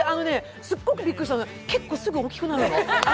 すっごくびっくりしたのは、結構すぐおっきくなるの。